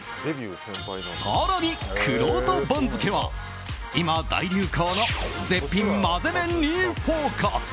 更に、くろうと番付は今、大流行の絶品まぜ麺にフォーカス。